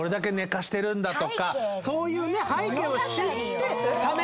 そういうね。